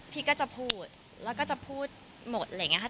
พี่ก็จะพูดแล้วก็จะพูดหมดอะไรอย่างนี้ค่ะ